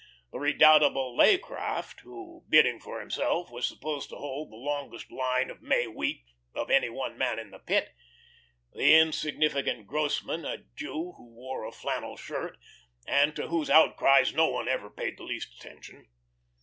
The redoubtable Leaycraft, who, bidding for himself, was supposed to hold the longest line of May wheat of any one man in the Pit, the insignificant Grossmann, a Jew who wore a flannel shirt, and to whose outcries no one ever paid the least attention.